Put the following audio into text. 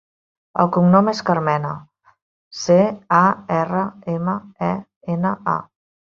El cognom és Carmena: ce, a, erra, ema, e, ena, a.